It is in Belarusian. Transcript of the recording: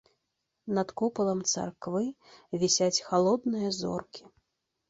Над купалам царквы вісяць халодныя зоркі.